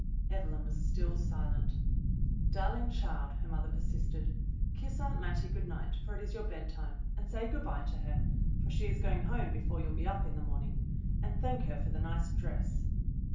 Evelyn was still silent. "Darling child," her mother persisted, "kiss Aunt Mattie good night, for it is your bedtime, and say good bye to her, for she is going home before you'll be up in the morning; and thank her for the nice dress."